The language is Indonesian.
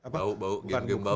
bau bau game game bau ya